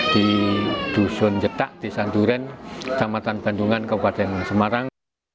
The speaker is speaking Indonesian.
di dusun jeptak desa duren kecamatan bandungan kabupaten semarang